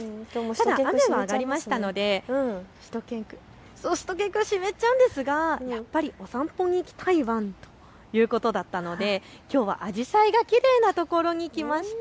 ただ雨は上がりましたのでしゅと犬くん湿ってしまうんですが散歩に行きたいワンということだったのできょうはあじさいがきれいなところに来ました。